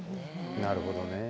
なるほどね。